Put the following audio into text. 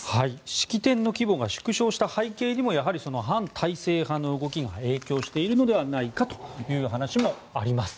式典の規模が縮小した背景にもやはり反体制派の動きが影響しているのではないかという話もあります。